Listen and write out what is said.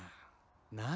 なあ？